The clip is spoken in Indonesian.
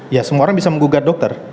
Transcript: ya semua orang bisa menggugat dokter